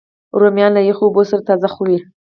رومیان له یخو اوبو سره تازه خوري